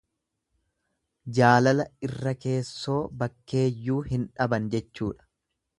Jaalala irra keessoo bakkeeyyuu hin dhaban jechuudha.